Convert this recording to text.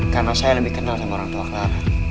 karena saya lebih kenal sama orang tua clara